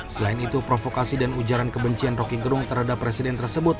selain itu provokasi dan ujaran kebencian roky gerung terhadap presiden tersebut